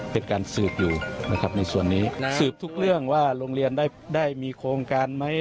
เป็นการสืบอยู่นะครับในส่วนนี้สืบทุกเรื่องว่าโรงเรียนได้มีโครงการไหม